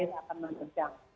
ini air akan mengecang